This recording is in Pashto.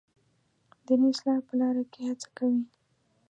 دیني اصلاح په لاره کې هڅه کوي.